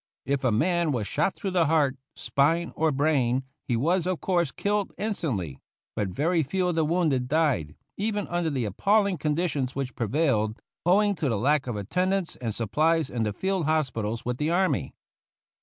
If a man was shot through the heart, spine, or brain he was, of course, killed instantly; but very few of the wounded died — even under the appalling conditions which pre vailed, owing to the lack of attendance and sup plies in the field hospitals with the army.